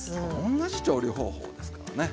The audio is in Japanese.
同じ調理方法ですからね。